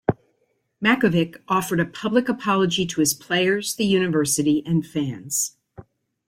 Mackovic offered a public apology to his players, the university and fans.